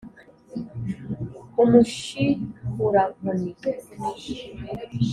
ku mushikurankoni